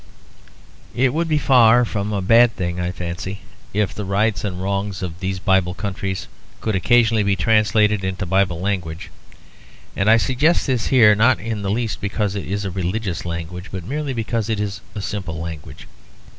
It would be far from a bad thing, I fancy, if the rights and wrongs of these Bible countries could occasionally be translated into Bible language. And I suggest this here, not in the least because it is a religious language, but merely because it is a simple language.